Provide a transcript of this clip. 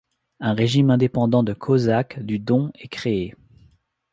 Un régiment indépendant de cosaques du Don est créé.